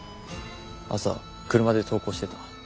朝車で登校してた。